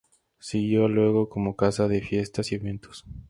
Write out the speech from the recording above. Siguió luego como casa de fiestas y eventos.